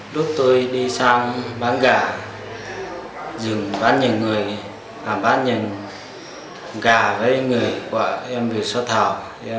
lúc tôi đi sang bán gà rừng bán nhầm người bán nhầm gà với người của em vừa sơ thảo